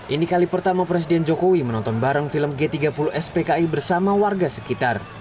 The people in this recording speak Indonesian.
ini kali pertama presiden jokowi menonton bareng film g tiga puluh spki bersama warga sekitar